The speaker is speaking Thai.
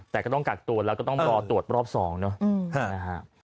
แต่ก็ต้องกักตัวแล้วก็ต้องรอตรวจรอบ๒เนอะนะฮะ